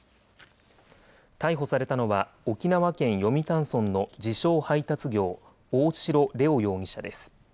逮捕されたのは沖縄県読谷村の自称・配達業、大城玲央容疑者です。